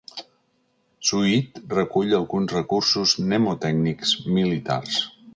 Suid recull alguns recursos mnemotècnics militars.